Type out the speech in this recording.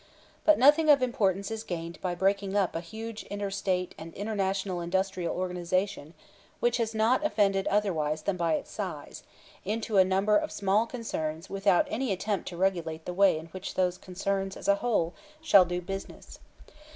But nothing of importance is gained by breaking up a huge inter State and international industrial organization which has not offended otherwise than by its size, into a number of small concerns without any attempt to regulate the way in which those concerns as a whole shall do business.